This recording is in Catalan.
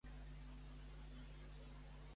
Què mostra, la filmació de Cara DeVito?